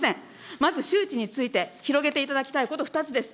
まず周知について、広げていただきたいこと２つです。